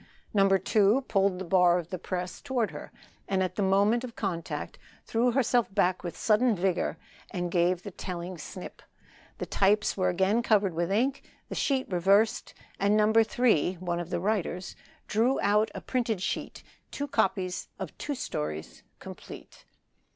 No. 2 pulled the bar of the press toward her, and at the moment of contact threw herself back with sudden vigor and gave the telling knip; the types were again covered with ink, the sheet reversed, and No. 3 (one of the writers) drew out a printed sheet two copies of two stories complete.